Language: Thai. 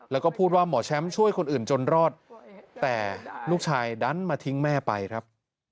แล้วก็พูดว่าหมอแชมป์ช่วยคนอื่นจนรอดแต่ลูกชายดันมาทิ้งแม่ไปครับ